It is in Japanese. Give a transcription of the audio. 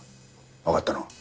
わかったな？